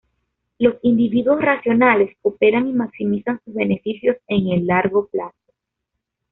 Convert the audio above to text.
Los individuos racionales cooperan y maximizan sus beneficios en el largo plazo.